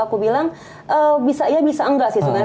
aku bilang bisa ya bisa enggak sih sebenarnya